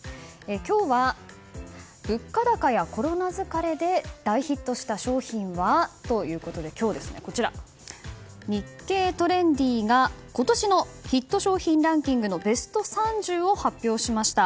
今日は物価高やコロナ疲れで大ヒットした商品はということで今日、「日経トレンディ」が今年のヒット商品ランキングのベスト３０を発表しました。